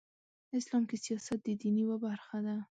اسلام کې سیاست د دین یوه برخه ده .